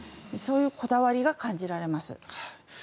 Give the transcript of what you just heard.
そういうこだわりが感じられます。